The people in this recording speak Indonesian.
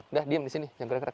udah diam di sini jangan krek krek